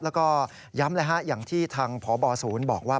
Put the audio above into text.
แล้วก็ย้ำเลยฮะอย่างที่ทางพบศูนย์บอกว่า